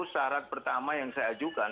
syarat pertama yang saya ajukan